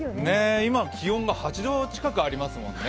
今気温が８度近くありますもんね。